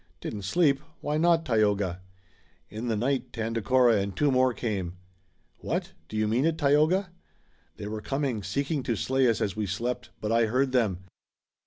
"Didn't sleep? Why not, Tayoga?" "In the night, Tandakora and two more came." "What? Do you mean it, Tayoga?" "They were coming, seeking to slay us as we slept, but I heard them.